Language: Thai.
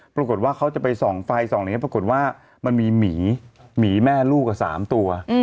ปรากฏว่าเขาจะไปส่องไฟส่องอย่างนี้ปรากฏว่ามันมีหมีหมีแม่ลูก๓ตัว